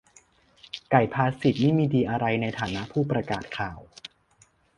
ไก่ภาษิตนี่มีอะไรดีในฐานะผู้ประกาศข่าว ? -_